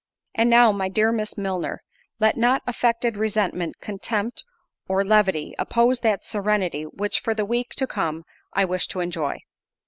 "And now, my dear Miss Milner, let not affected resentment, contempt, or levity, oppose that serenity, which, for the week to come, I wish to enjoy.